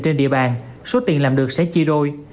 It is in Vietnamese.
trên địa bàn số tiền làm được sẽ chia đôi